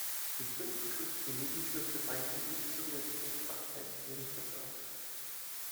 Die fünf größten Nebenflüsse weisen ebenso wie der Petersbach selbst Nebenflüsse auf.